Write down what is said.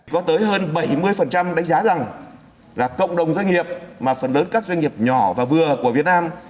có tới hơn bảy mươi đánh giá rằng là cộng đồng doanh nghiệp mà phần lớn các doanh nghiệp nhỏ và vừa của việt nam